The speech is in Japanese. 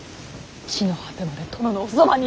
地の果てまで殿のおそばに！